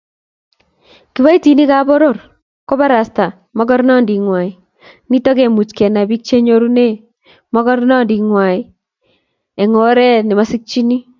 Kiboitinikan poror kobarasta mogornotetngwai nito kemuchi Kenai bik chenyorune mogornotetngwai oret nemo sikchini